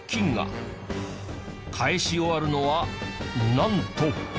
返し終わるのはなんと。